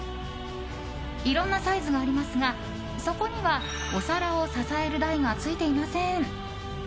いろんなサイズがありますが底にはお皿を支える台がついていません。